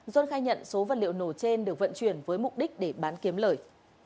xuân khai nhận số vật liệu nổ trên được vận chuyển với mục đích để bán kiếm lợi